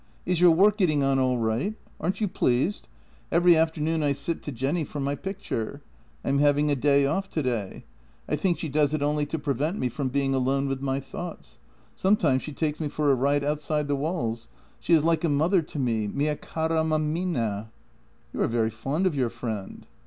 Is your work getting on all right? Aren't you pleased? Every afternoon I sit to Jenny for my picture. I am having a day off today. I think she does it only to pre vent me from being alone with my thoughts. Sometimes she takes me for a ride outside the walls. She is like a mother to me — Mia cara mammina." "You are very fond of your friend?